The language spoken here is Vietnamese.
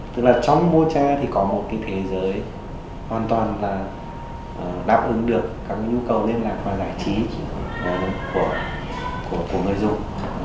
tức là trong mocha thì có một cái thế giới hoàn toàn là đáp ứng được các nhu cầu liên lạc và giải trí của người dùng